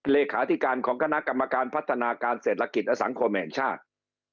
เลขาธิการของคณะกรรมการพัฒนาการเศรษฐกิจและสังคมแห่งชาติ